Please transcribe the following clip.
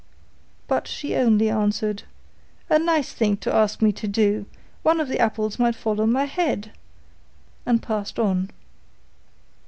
But she only answered, 'A nice thing to ask me to do, one of the apples might fall on my head,' and passed on.